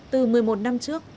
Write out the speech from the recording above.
từ một mươi một năm trước